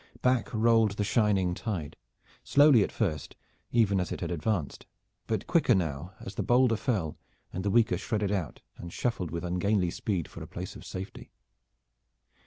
Back rolled the shining tide, slowly at first, even as it had advanced, but quicker now as the bolder fell and the weaker shredded out and shuffled with ungainly speed for a place of safety.